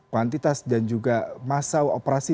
kuantitas dan juga masa operasi